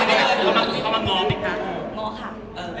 คุณมามักง้อฝนกี้หน้าค่ะ